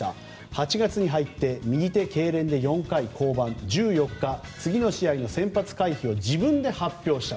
８月に入って右手けいれんで４回、降板１４日、次の試合の先発回避を自分で発表した。